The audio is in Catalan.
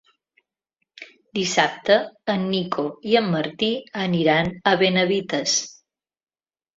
Dissabte en Nico i en Martí aniran a Benavites.